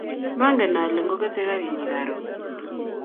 Maangen ale ko ketei karinyi karon